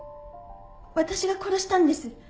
私が殺したんです。